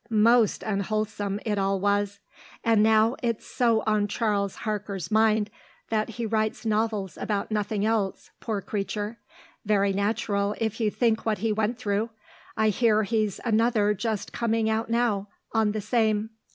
Most unwholesome, it all was. And now it's so on Charles Harker's mind that he writes novels about nothing else, poor creature. Very natural, if you think what he went through. I hear he's another just coming out now, on the same."